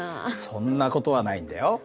そんな事はないんだよ。